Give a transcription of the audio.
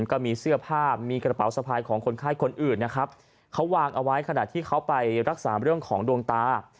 ก็มีเสื้อผ้ามีกระเป๋าสะพายของคนไข้คนอื่นนะครับเขาวางเอาไว้ขณะที่เขาไปรักษาเรื่องของดวงตา